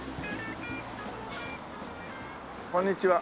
こんにちは。